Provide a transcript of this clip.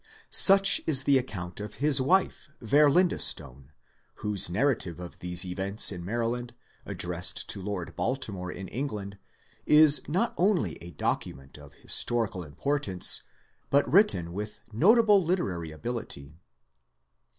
Such is the account of his wife, Verlinda Stone, whose narrative of these events in Maryland, addressed to Lord Baltimore in England, is not only a document of historical importance, but written with notable literary ability.